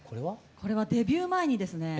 これはデビュー前にですね